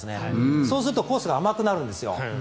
そうするとコースが甘くなるんですよ。